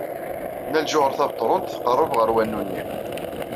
Nna Lǧuheṛ Tabetṛunt tqerreb ɣer wanu-nni.